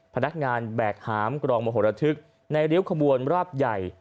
พนักงานแบกหามกรองมโหระทึกในริ้วขบวนราบใหญ่